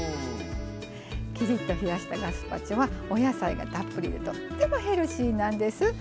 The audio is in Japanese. きりっと冷やしたガスパチョはお野菜がたっぷりでとってもヘルシーなんです。